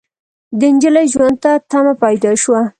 د نجلۍ ژوند ته تمه پيدا شوه.